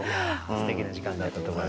すてきな時間だったと思います。